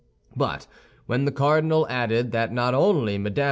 But when the cardinal added that not only Mme.